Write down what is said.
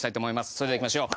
それではいきましょう。